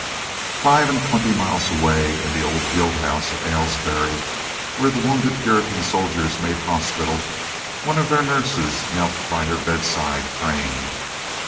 Five and twenty miles away in the old guild house at Aylesbury, where the wounded Puritan soldiers made hospital, one of their nurses knelt by her bed side, praying.